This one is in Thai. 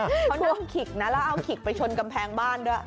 เขานวมขิกนะแล้วเอาขิกไปชนกำแพงบ้านด้วย